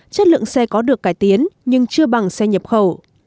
chất lượng xe có được cải tiến nhưng chưa bằng xe nhập khẩu